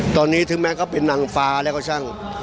ตอนนี้ถึงแม้เขาเป็นนางฟ้าแล้วก็ช่าง